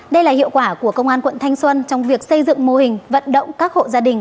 đây là hiệu quả của công an quận thanh xuân trong việc xây dựng mô hình vận động các hộ gia đình